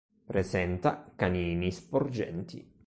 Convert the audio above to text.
Presenta canini sporgenti.